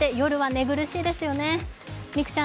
寝苦しいですよね。